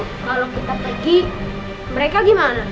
kalau kita pergi mereka gimana